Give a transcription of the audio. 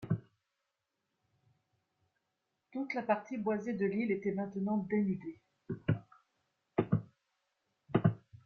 Toute la partie boisée de l’île était maintenant dénudée.